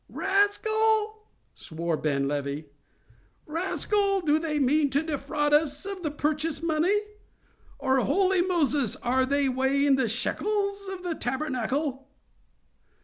"Raca!" swore Ben Levi, "Raca! do they mean to defraud us of the purchase money? or, Holy Moses! are they weighing the shekels of the tabernacle?"